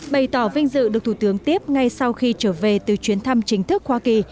bày tỏ vinh dự được thủ tướng tiếp ngay sau khi trở về từ chuyến thăm chính thức hoa kỳ